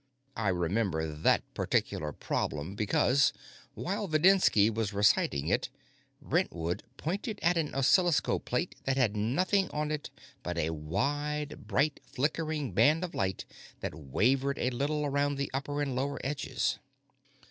I remember that particular problem because, while Videnski was reciting it, Brentwood pointed at an oscilloscope plate that had nothing on it but a wide, bright, flickering band of light that wavered a little around the upper and lower edges.